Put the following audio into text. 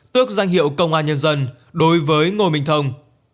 tước danh hiệu công an nhân dân đối với ngô minh thông